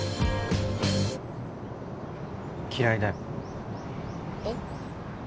嫌いだよえっ？